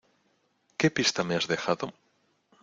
¿Qué pista me has dejado?